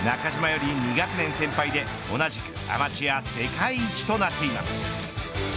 中島より２学年先輩で同じくアマチュア世界一となっています。